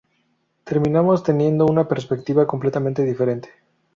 Terminamos teniendo una perspectiva completamente diferente.".